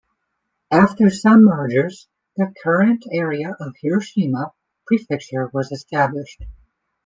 After some mergers the current area of Hiroshima Prefecture was established.